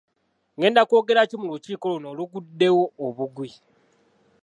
ŋŋenda kwogera ki mu lukiiko luno oluguddewo obuggwi.